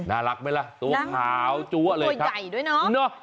น่ารักไหมล่ะตัวขาวจั๊วเลยตัวใหญ่ด้วยเนอะ